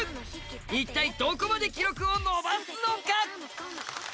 一体どこまで記録を伸ばすのか？